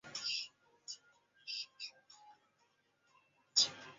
在进入法政大学就读文学部后的隔年辍学。